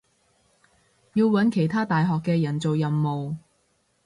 要搵其他大學嘅人做任務